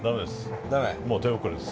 もう手遅れです。